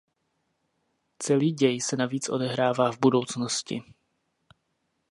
Celý děj se navíc odehrává v budoucnosti.